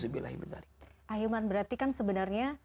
berarti kan sebenarnya